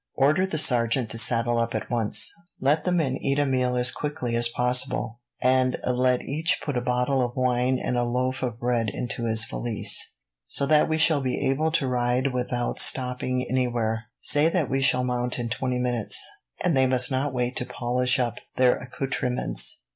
Order the sergeant to saddle up at once. Let the men eat a meal as quickly as possible, and let each put a bottle of wine and a loaf of bread into his valise, so that we shall be able to ride without stopping anywhere. Say that we shall mount in twenty minutes, and they must not wait to polish up their accoutrements.